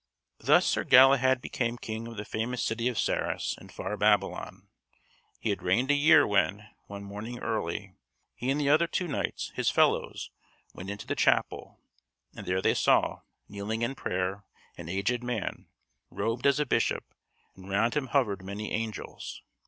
Thus Sir Galahad became King of the famous city of Sarras, in far Babylon. He had reigned a year when, one morning early, he and the other two knights, his fellows, went into the chapel, and there they saw, kneeling in prayer, an aged man, robed as a bishop, and round him hovered many angels.